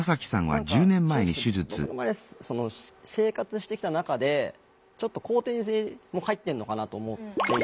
何か正直僕の場合生活してきた中でちょっと後天性も入ってんのかなと思っていて。